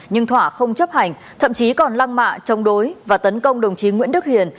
nhưng thỏa không chấp hành thậm chí còn lăng mạ chống đối và tấn công đồng chí nguyễn đức hiền